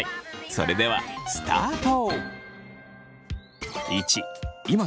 それではスタート！